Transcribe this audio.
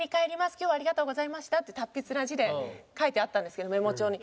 今日ありがとうございましたって達筆な字で書いてあったんですけどメモ帳に。